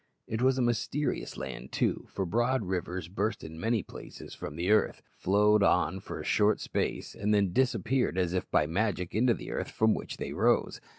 It was a mysterious land, too; for broad rivers burst in many places from the earth, flowed on for a short space, and then disappeared as if by magic into the earth from which they rose.